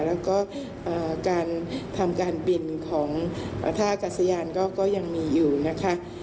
แล้วก็การทำการบินของท่ากัศยานก็ยังมีอยู่นะคะ